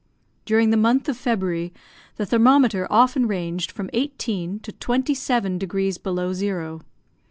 During the month of February, the thermometer often ranged from eighteen to twenty seven degrees below zero.